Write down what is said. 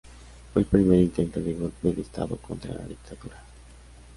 Fue el primer intento de golpe de estado contra la Dictadura.